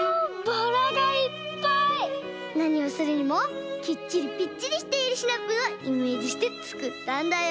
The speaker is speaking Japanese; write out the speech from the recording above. なにをするにもきっちりぴっちりしているシナプーをイメージしてつくったんだよ。